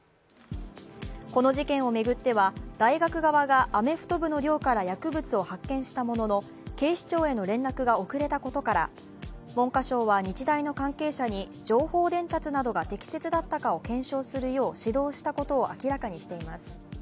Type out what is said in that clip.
この事件を巡っては、大学側がアメフト部の寮から薬物を発見したものの警視庁への連絡が遅れたことから文科省は日大の関係者に情報伝達などが適切だったか検証するよう指導したことを明らかにしています。